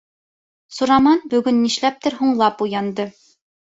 Сураман бөгөн нишләптер һуңлап уянды.